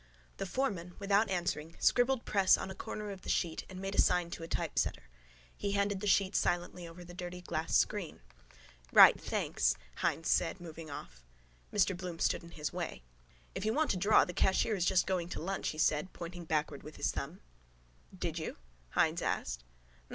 The foreman, without answering, scribbled press on a corner of the sheet and made a sign to a typesetter. He handed the sheet silently over the dirty glass screen. —Right: thanks, Hynes said moving off. Mr Bloom stood in his way. —If you want to draw the cashier is just going to lunch, he said, pointing backward with his thumb. —Did you? Hynes asked.